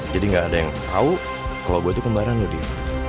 jadi gak ada yang tau kalau gua itu kembaran ya dia